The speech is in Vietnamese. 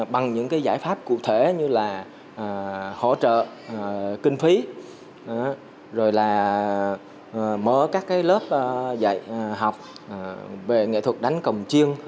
bằng những cái giải pháp cụ thể như là hỗ trợ kinh phí rồi là mở các cái lớp dạy học về nghệ thuật đánh cầm chiên